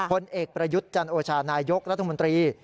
ผลเอกประยุทธ์จันโอชานายกรัฐมนตรี